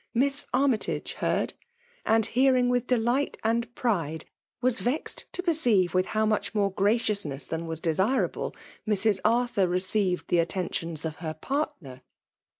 Miss Armytage heard; and, hearing with delightlmd pride, was vexed to perceive with how much more graciousness than was desirable Mrs. Arthur received the attenticma of her partner.